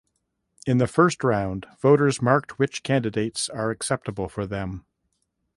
In the first round voters marked which candidates are acceptable for them.